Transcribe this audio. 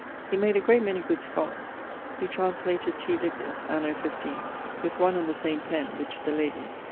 He made a great many good scholars. He translated T. Livius, anno 15 , with one and the same pen, which the lady